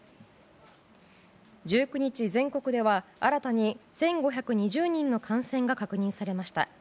１９日、全国では新たに１５２０人の感染が確認されました。